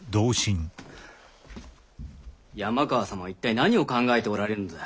山川様は一体何を考えておられるのだ。